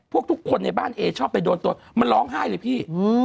ทุกคนในบ้านเอชอบไปโดนตัวมันร้องไห้เลยพี่